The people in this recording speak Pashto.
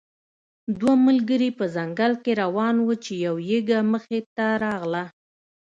دوه ملګري په ځنګل کې روان وو چې یو یږه مخې ته راغله.